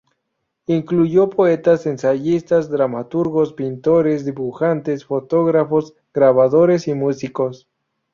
Incluyó poetas, ensayistas, dramaturgos, pintores, dibujantes, fotógrafos, grabadores y músicos.